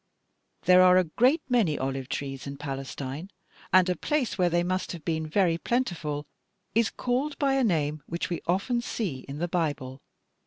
There are a great many olive trees in Palestine, and a place where they must have been very plentiful is called by a name which we often see in the Bible.